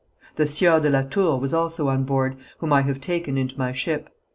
The Sieur de la Tour was also on board, whom I have taken into my ship.